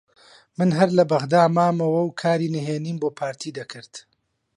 من هەر لە بەغدا مامەوە و کاری نهێنیم بۆ پارتی دەکرد